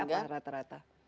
jadi apa rata rata